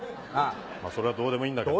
それはどうでもいいんだけど。